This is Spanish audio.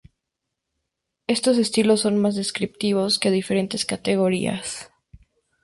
Estos estilos son más descriptivos que diferentes categorías.